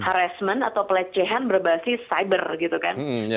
harassment atau pelecehan berbasis cyber gitu kan